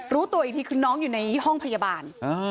รู้ตัวอีกทีคือน้องอยู่ในห้องพยาบาล